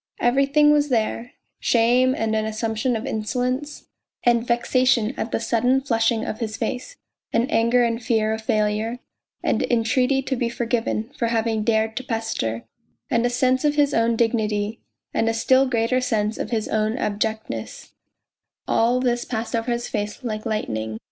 Every thing was there shame and an assumption of insolence, and vexation at the sudden flushing of his face, and anger and fear of failure, and entreaty to be forgiven for having dared to pester, and a sense of his own dignity, and a still greater sense of his own abjectness all this passed over his face like lightning.